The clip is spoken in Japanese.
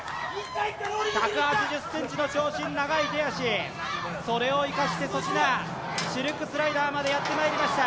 １８０センチの長身長い手足それをいかして粗品シルクスライダーまでやってまいりました